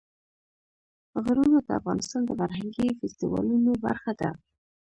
غرونه د افغانستان د فرهنګي فستیوالونو برخه ده.